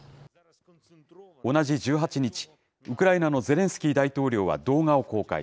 同じ１８日、ウクライナのゼレンスキー大統領は動画を公開。